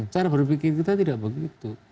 cara berpikir kita tidak begitu